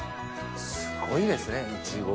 すごいですねいちご煮。